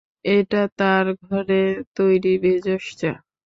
এটা তার ঘরে তৈরি ভেষজ চা।